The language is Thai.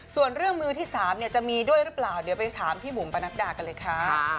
ส่วนเรื่องมือที่๓จะมีด้วยหรือเปล่าเดี๋ยวไปถามพี่บุ๋มประนัดดากันเลยค่ะ